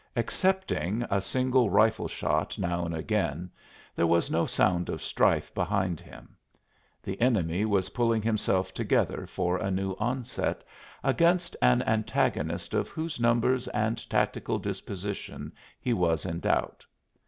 Excepting a single rifle shot now and again, there was no sound of strife behind him; the enemy was pulling himself together for a new onset against an antagonist of whose numbers and tactical disposition he was in doubt.